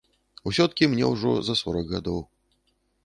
Усё-ткі мне ўжо за сорак гадоў.